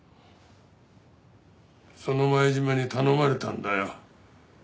その前島に頼まれたんだよ。